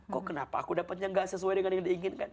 kok kenapa aku dapatnya gak sesuai dengan yang diinginkan